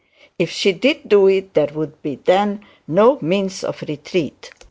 If she did do it there would be then no means of retreat.